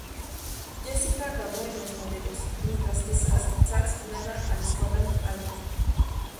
Jessica acabó en Los Modelos, mientras que Sarah fue asignada al Escuadrón Alfa.